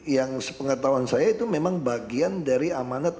yang sepengetahuan saya itu memang bagian dari amanat